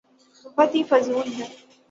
بہت ہی فضول ہے۔